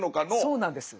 そうなんです。